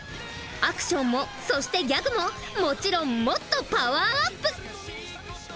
アクションもそしてギャグももちろんもっとパワーアップ！